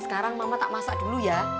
sekarang mama tak masak dulu ya